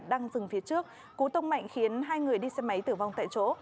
đang dừng phía trước cú tông mạnh khiến hai người đi xe máy tử vong tại chỗ